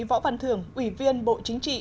võ văn thưởng ủy viên bộ chính trị